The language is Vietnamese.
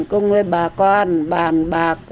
cùng với bà con bàn bạc